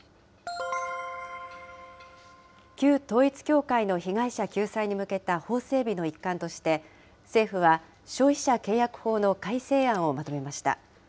旧統一教会の被害者救済に向けた法整備の一環として、政府は、消費者契約法の改正案をまとめました。